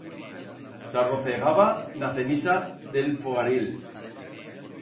S'arrocegaba n'a cenisa d'el fogaril.